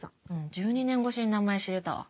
１２年越しに名前知れたわ。